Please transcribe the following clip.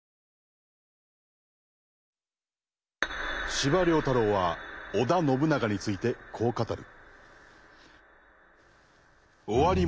司馬太郎は織田信長についてこう語る。